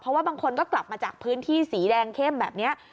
เพราะว่าบางคนก็กลับมาจากพื้นที่สีแดงเข้มแบบนี้